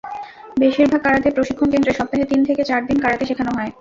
বেশির ভাগ কারাতে প্রশিক্ষণকেন্দ্রে সপ্তাহে তিন থেকে চার দিন কারাতে শেখানো হয়।